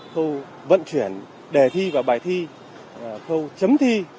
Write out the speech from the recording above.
khâu vận chuyển đề thi và bài thi khâu chấm thi